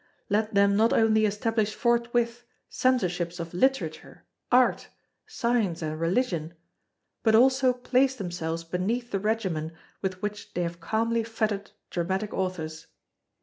Let them not only establish forthwith Censorships of Literature, Art, Science, and Religion, but also place themselves beneath the regimen with which they have calmly fettered Dramatic Authors.